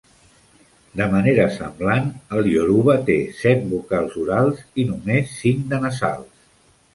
De manera semblant, el ioruba té set vocals orals i només cinc de nasals.